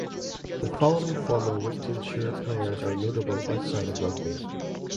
The following former Wigtownshire players are notable outside of rugby